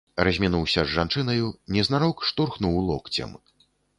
Размінуўся з жанчынаю, незнарок штурхнуў локцем.